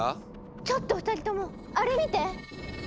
⁉ちょっと２人ともあれ見て！